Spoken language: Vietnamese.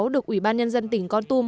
được ủy ban nhân dân tỉnh con tôm